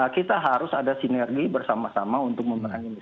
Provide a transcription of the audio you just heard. kita harus ada sinergi bersama sama untuk memperangin semua